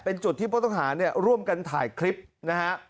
เป็นจุดที่ผู้ต้องหาเนี่ยร่วมกันถ่ายคลิปนะฮะ